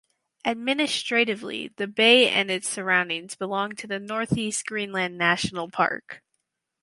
Administratively the bay and its surroundings belong to the Northeast Greenland National Park.